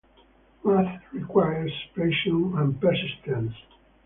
Math requires passion and persistence.